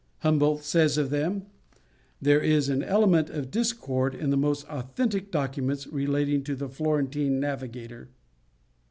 Humboldt says of them "There is an element of discord in the most authentic documents relating to the Florentine navigator."